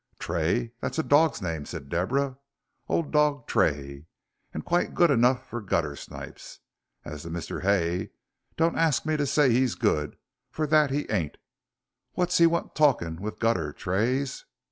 "Tray that's a dog's name," said Deborah, "old dog Tray, and quite good enough for guttersnipes. As to Mr. Hay, don't arsk me to say he's good, for that he ain't. What's he want talking with gutter Trays?"